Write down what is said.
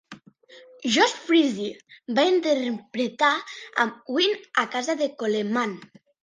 Josh Freese va interpretar amb Ween a casa de Coleman.